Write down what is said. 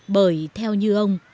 bởi theo như ông